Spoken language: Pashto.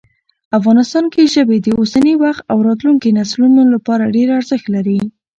افغانستان کې ژبې د اوسني وخت او راتلونکي نسلونو لپاره ډېر ارزښت لري.